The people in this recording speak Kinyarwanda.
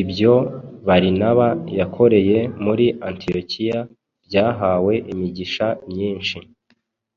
Ibyo Barinaba yakoreye muri Antiyokiya byahawe imigisha myinshi